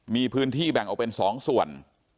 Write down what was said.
มีพื้นที่แบ่งออกเป็น๒ส่วน